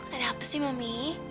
ada apa sih mami